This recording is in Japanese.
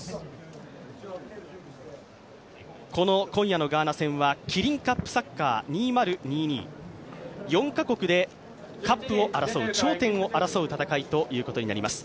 今夜のガーナ戦はキリンカップサッカー２０２２４カ国でカップを争う、頂点を争う戦いということになります。